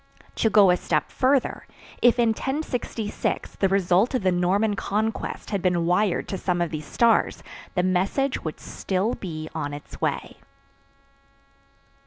To go a step further, if in 1066 the result of the Norman Conquest had been wired to some of these stars, the message would still be on its way.